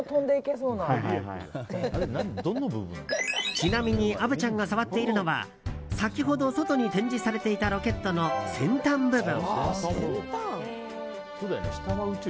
ちなみに虻ちゃんが触っているのは先ほど外に展示されていたロケットの先端部分。